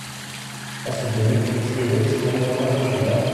Asendu n uyefki s tidet, win n waman d tikellax.